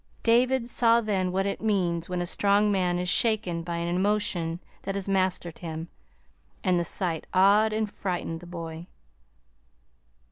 David saw then what it means when a strong man is shaken by an emotion that has mastered him; and the sight awed and frightened the boy.